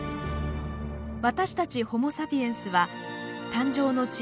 私たちホモ・サピエンスは誕生の地